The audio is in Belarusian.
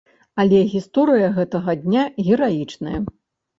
Але гісторыя гэтага дня гераічная.